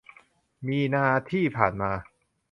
มีนาที่ผ่านมา